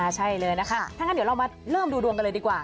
ใช่เลยนะคะถ้างั้นเดี๋ยวเรามาเริ่มดูดวงกันเลยดีกว่า